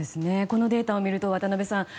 このデータを見ると渡辺さん